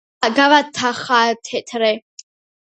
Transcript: თეთრი თხა გავათხათეთრე